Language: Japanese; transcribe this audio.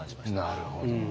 なるほど。